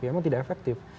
ya emang tidak efektif